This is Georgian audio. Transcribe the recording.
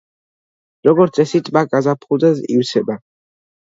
როგორც წესი ტბა გაზაფხულზე ივსება.